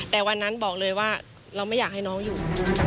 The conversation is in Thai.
แต่วันนั้นบอกเลยว่าเราไม่อยากให้น้องอยู่